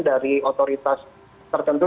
dari otoritas tertentu